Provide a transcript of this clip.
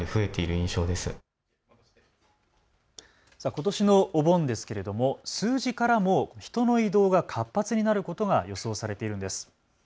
ことしのお盆ですけれども数字からも人の移動が活発になることが予想されているんです。